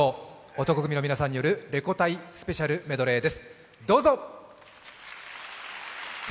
男闘呼組の皆さんによるレコ大スペシャルメドレーです。